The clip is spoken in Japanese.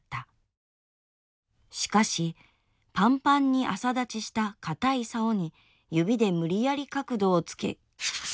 しかしパンパンに朝勃ちした硬い竿に指で無理矢理角度をつけ」。